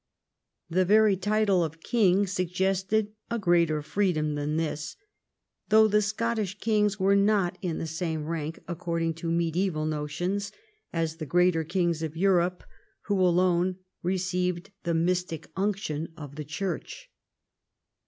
The very title of king suggested a greater freedom than this, though the Scottish kings were not in the same rank, according to mediaeval notions, as the greater kings of Europe, who alone received the mystic unction of the Church.